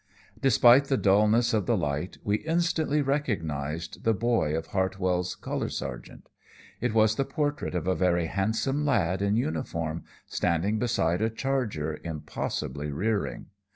Despite the dullness of the light, we instantly recognized the boy of Hartwell's "Color Sergeant." It was the portrait of a very handsome lad in uniform, standing beside a charger impossibly rearing.